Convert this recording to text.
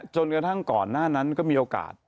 จนกระทั่งก่อนหน้านั้นก็มีโอกาส